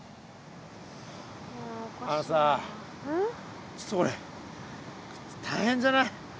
あのさちょっとこれ大変じゃない？